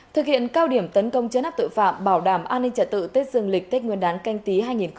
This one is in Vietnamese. thực hiện cao điểm tấn công chế nắp tội phạm bảo đảm an ninh trả tự tết dương lịch tết nguyên đán canh tí hai nghìn hai mươi